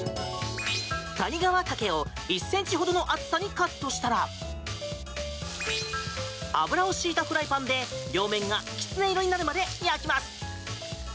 谷川茸を１ｃｍほどの厚さにカットしたら油を敷いたフライパンで両面がきつね色になるまで焼きます。